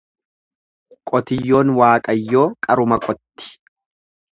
Qotiyyoon Waaqayyoo qaruma qotti.